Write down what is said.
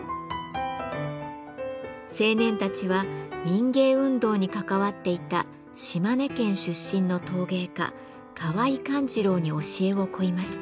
青年たちは民藝運動に関わっていた島根県出身の陶芸家河井寛次郎に教えを請いました。